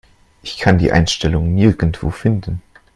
Ich kann die Einstellung nirgendwo finden.